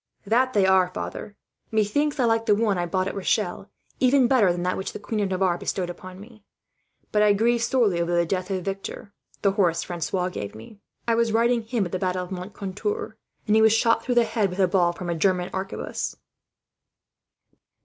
"That are they, father. Methinks I like the one I bought at Rochelle even better than that which the Queen of Navarre bestowed upon me; but I grieved sorely over the death of Victor, the horse Francois gave me. I was riding him at the fight of Moncontour, and he was shot through the head with a ball from a German arquebus."